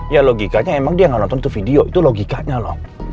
ya logikanya emang dia nggak nonton tuh video itu logikanya loh